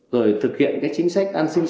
rồi thực hiện cái chính sách an sinh